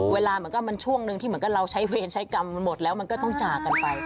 เวลาเหมือนกับมันช่วงหนึ่งที่เหมือนกับเราใช้เวรใช้กรรมมันหมดแล้วมันก็ต้องจากกันไป